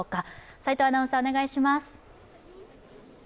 齋藤アナウンサー、お願いします。